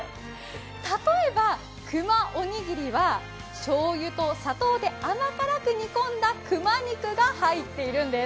例えばくまおにぎりはしょうゆと砂糖で甘辛く煮込んだ熊肉が入っているんです。